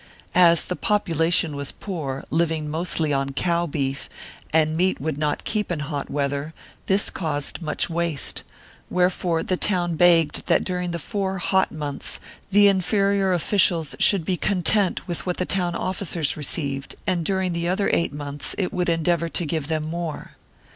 As the population was poor, living mostly on cow beef, and meat would not keep in hot weather, this caused much waste, wherefore the town begged that during the four hot months the inferior officials should be content with what the town officers received and during the other eight months it would endeavor to give them more.